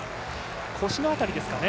腰の辺りですかね。